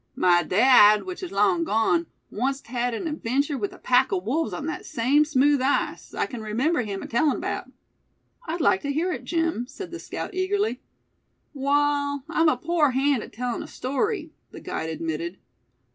My dad, which is long gone, onct had an adventure with a pack o' wolves on thet same smooth ice, I kin remember him tellin' 'bout." "I'd like to hear it, Jim," said the scout, eagerly. "Wall, I'm a pore hand at tellin' a story," the guide admitted.